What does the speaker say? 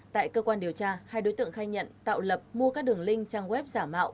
tại cơ quan điều tra hai đối tượng khai nhận tạo lập mua các đường link trang web giả mạo